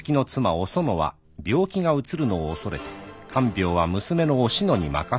おそのは病気がうつるのを恐れ看病は娘のおしのに任せきり。